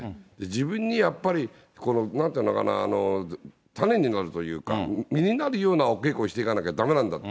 自分にやっぱり、なんというのかな、種になるというか、実になるためのお稽古をしていかないとだめなんだと。